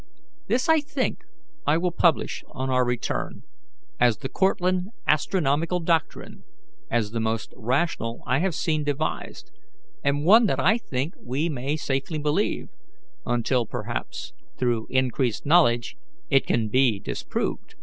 This, I think, I will publish, on our return, as the Cortlandt astronomical doctrine, as the most rational I have seen devised, and one that I think we may safely believe, until, perhaps, through increased knowledge, it can be disproved."